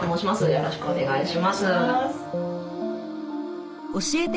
よろしくお願いします。